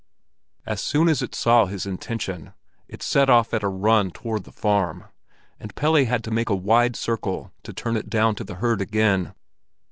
As soon as it saw his intention, it set off at a run up toward the farm, and Pelle had to make a wide circle to turn it down to the herd again.